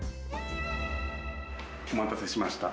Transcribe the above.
お待たせしました。